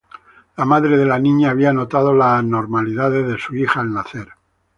La madre de la niña había notado las anormalidades de su hija al nacer.